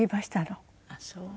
ああそう。